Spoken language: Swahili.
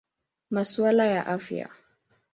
Masuala ya Afya.